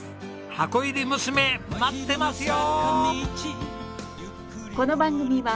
箱入り娘待ってますよ！